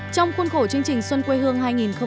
trong khuôn khổ chương trình xuân quê hương hai nghìn hai mươi